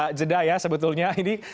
ketika jeda ya sebetulnya